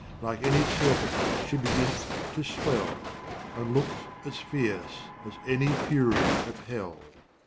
Like any serpent she beginn'th to swell And look'th as fierce as any fury of hell.